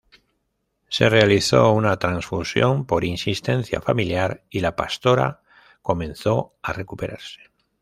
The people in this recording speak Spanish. Se realizó una transfusión por insistencia familiar y la Pastora comenzó a recuperarse.